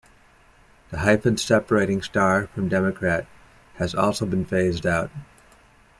The hyphen separating "Star" from "Democrat" has also been phased out.